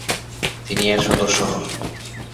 তিনি এর সদস্য হন ।